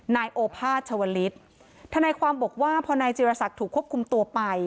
นายโอภาษชวลิศธนายความบอกว่าพอนายจิรศักดิ์ถูกควบคุมตัวไป